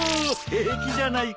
平気じゃないか。